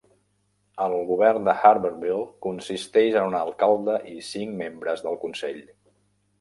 El govern d'Harveryville consisteix en un alcalde i cinc membres del consell.